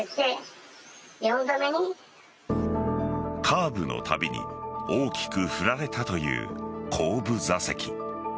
カーブのたびに大きく振られたという後部座席。